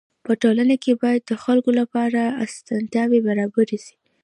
په ټولنه کي باید د خلکو لپاره اسانتياوي برابري سي.